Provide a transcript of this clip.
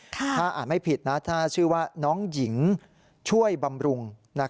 ถ้าอ่านไม่ผิดนะถ้าชื่อว่าน้องหญิงช่วยบำรุง